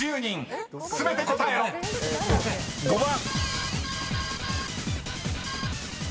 ５番。